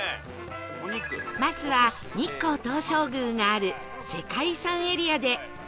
まずは日光東照宮がある世界遺産エリアで「お肉」